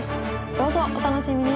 どうぞお楽しみに！